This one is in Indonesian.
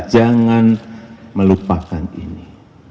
jangan melupakan ini